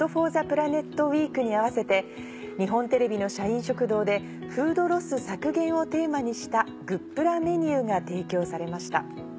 ウィークに合わせて日本テレビの社員食堂でフードロス削減をテーマにしたグップラメニューが提供されました。